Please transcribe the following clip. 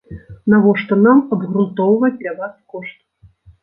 Навошта нам абгрунтоўваць для вас кошт?